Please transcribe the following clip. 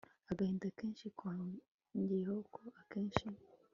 agahinda kenshi. yongeyeho ko akenshi